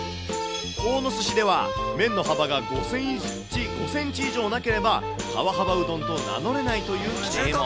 鴻巣市では麺の幅が５センチ以上なければ、川幅うどんと名乗れないという規定も。